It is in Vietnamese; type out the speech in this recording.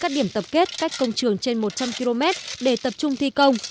các điểm tập kết cách công trường trên một trăm linh km để tập trung thi công